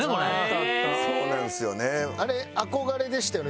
そうなんですよね。